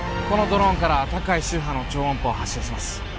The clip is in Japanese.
このドローンから高い周波の超音波を発信します